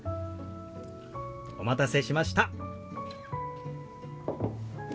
お待たせしました。